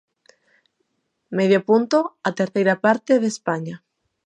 Medio punto, a terceira parte de España.